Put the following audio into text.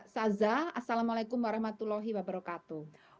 saza assalamualaikum warahmatullahi wabarakatuh